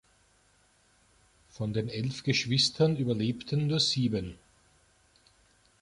Von den elf Geschwistern überlebten nur sieben.